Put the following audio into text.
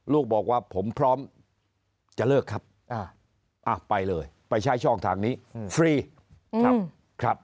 ลูกบอกว่าผมพร้อมจะเลิกครับไปเลยไปใช้ช่องทางนี้ฟรีครับ